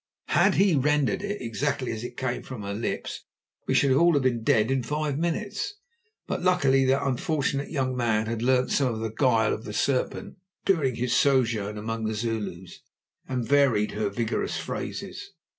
Had he rendered it exactly as it came from her lips, we should all have been dead in five minutes, but, luckily, that unfortunate young man had learnt some of the guile of the serpent during his sojourn among the Zulus, and varied her vigorous phrases.